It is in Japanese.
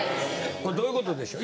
これどういうことでしょう？